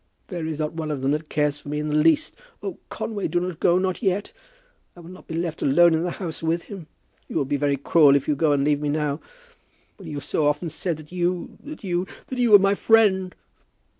"There is not one of them that cares for me in the least. Oh, Conway, do not go; not yet. I will not be left alone in the house with him. You will be very cruel if you go and leave me now, when you have so often said that you, that you, that you were my friend."